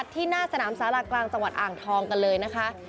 ที่หน้าสนามสารากลางจังหวัดอ่างทองกันเลยนะคะ